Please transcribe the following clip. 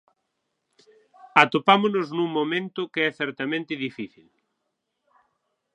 Atopámonos nun momento que é certamente difícil.